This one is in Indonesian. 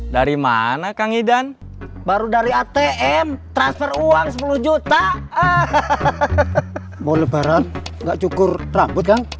dari mana kang idan baru dari atm transfer uang sepuluh juta mau lebaran nggak cukur rambut kang